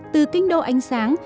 từ kinh đô ánh sáng